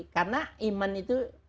karena iman itu